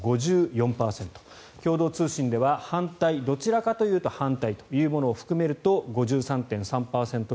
共同通信では反対・どちらかというと反対というものを含めると５３．３％が６０．８％。